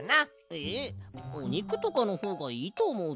えっおにくとかのほうがいいとおもうぞ。